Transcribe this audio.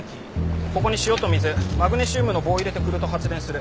ここに塩と水マグネシウムの棒を入れて振ると発電する。